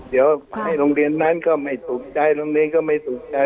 เดี๋ยวให้โรงเรียนนั้นก็ไม่ถูกใจโรงเรียนก็ไม่ถูกใจ